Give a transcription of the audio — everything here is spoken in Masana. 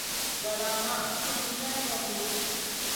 Gordaa maʼa Sun me homdi.